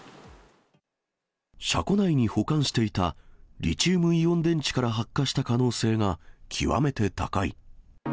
車庫内に保管していたリチウムイオン電池から発火した可能性が極めて高い。